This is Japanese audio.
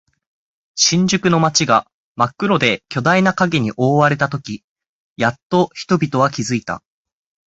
新宿の街が真っ黒で巨大な影に覆われたとき、やっと人々は気づいた。